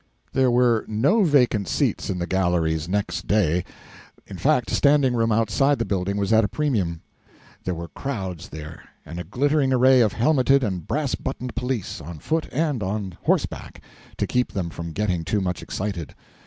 There were no vacant seats in the galleries next day. In fact, standing room outside the building was at a premium. There were crowds there, and a glittering array of helmeted and brass buttoned police, on foot and on horseback, to keep them from getting too much excited.